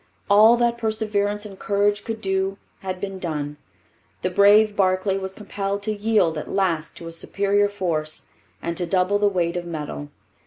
All that perseverance and courage could do had been done. The brave Barclay was compelled to yield at last to a superior force and to double the weight of metal.